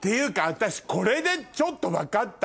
私これでちょっと分かった。